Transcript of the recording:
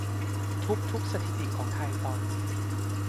ทุบทุกสถิติของไทยตอนนี้